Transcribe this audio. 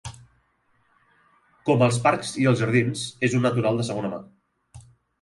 Com els parcs i els jardins, és un natural de segona mà.